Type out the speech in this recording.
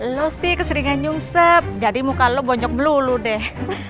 lo sih keseringan nyungsep jadi muka lo bonjok melulu deh